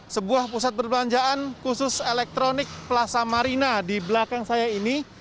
sebuah pusat perbelanjaan khusus elektronik plaza marina di belakang saya ini